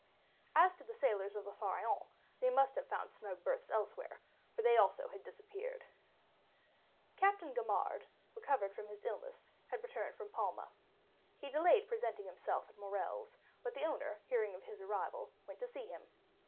As to the sailors of the Pharaon, they must have found snug berths elsewhere, for they also had disappeared. Captain Gaumard, recovered from his illness, had returned from Palma. He delayed presenting himself at Morrel's, but the owner, hearing of his arrival, went to see him.